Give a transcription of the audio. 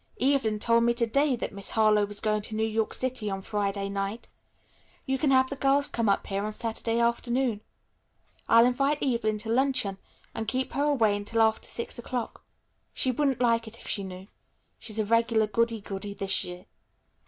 Evelyn told me to day that Miss Harlowe was going to New York City on Friday night. You can have the girls come up here on Saturday afternoon. I'll invite Evelyn to luncheon and keep her away until after six o'clock. She wouldn't like it if she knew. She's a regular goody goody this year.